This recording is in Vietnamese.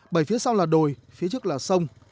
bởi phía sau là đồi phía trước là sông